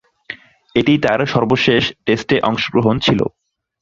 এটিই তার সর্বশেষ টেস্টে অংশগ্রহণ ছিল।